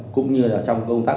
cũng như là trong công tác